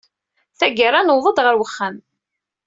Tagara, nuweḍ-d ɣer wexxam!